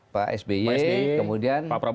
pak sby kemudian